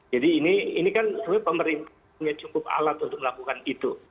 jadi ini kan sebenarnya pemerintahnya cukup alat untuk melakukan itu